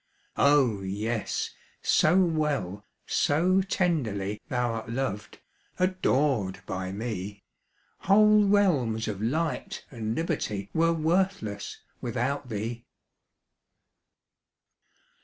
Oh, yes, so well, so tenderly Thou'rt loved, adored by me, Whole realms of light and liberty Were worthless without thee.